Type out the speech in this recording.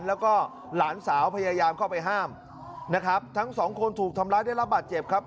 แล้วก็หลานสาวพยายามเข้าไปห้ามนะครับทั้งสองคนถูกทำร้ายได้รับบาดเจ็บครับ